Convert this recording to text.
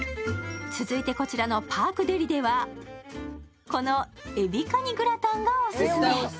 続いて、こちらのパークデリではこのえびカニグラタンがオススメ。